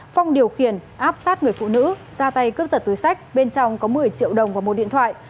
phong điều kiển áp sát người phụ nữ ra tay cướp giả tối sách bên trong có một mươi triệu đồng và một điện thoại